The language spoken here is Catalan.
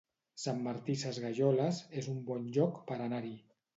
Sant Martí Sesgueioles es un bon lloc per anar-hi